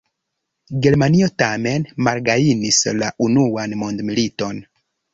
Germanio tamen malgajnis la Unuan mondmiliton.